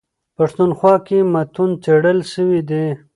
پښتونخوا کي متون څېړل سوي دي.